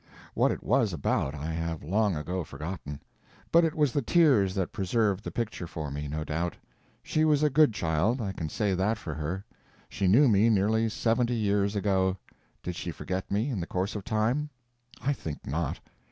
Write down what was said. What it was about I have long ago forgotten. But it was the tears that preserved the picture for me, no doubt. She was a good child, I can say that for her. She knew me nearly seventy years ago. Did she forget me, in the course of time? I think not.